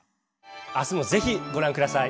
「明日もぜひご覧下さい」。